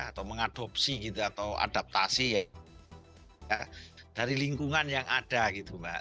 atau mengadopsi gitu atau adaptasi dari lingkungan yang ada gitu mbak